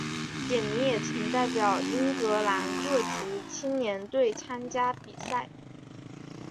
简尼也曾代表英格兰各级青年队参加比赛。